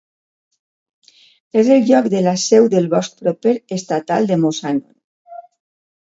És el lloc de la seu del bosc proper estatal de Moshannon.